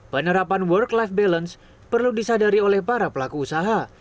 penerapan work life balance perlu disadari oleh para pelaku usaha